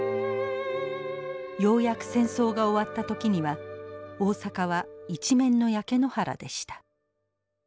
ようやく戦争が終わった時には大阪は一面の焼け野原でした。